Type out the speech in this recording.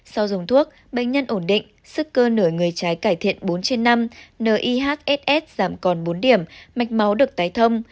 sau dùng thuốc bệnh nhân ổn định sức cơ nửa người trái cải thiện bốn trên năm nihss giảm còn bốn điểm mạch máu được tái thông